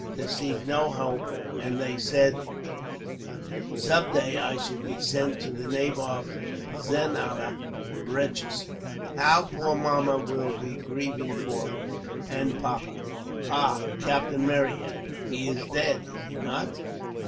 There seemed no hope, and they said, some day, I should be sent to the nabob's zenana wretches! How poor mamma will be grieving for me, and papa! "Ah! Captain Marryat, he is dead, is he not?"